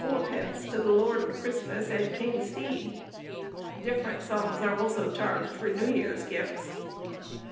_ to the Lord of Christmas, at Kyngstede. Different sums also are charged for New Year's gifts.